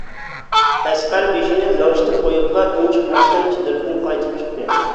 ئەسقەر بېشىنى لىڭشىتىپ قويۇپلا، ئۈنچىقماستىن چېدىردىن قايتىپ چىقتى.